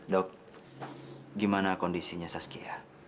dok gimana kondisinya saskiah